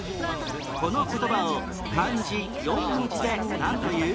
この言葉を漢字４文字でなんという？